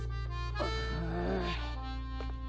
うん。